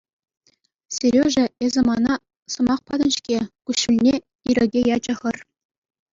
Сережа, эсӗ мана сӑмах патӑн-ҫке, — куҫҫульне ирӗке ячӗ хӗр.